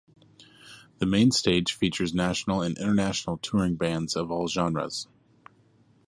The Main Stage features national and international touring bands of all genres.